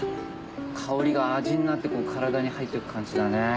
香りが味になって体に入ってく感じだね。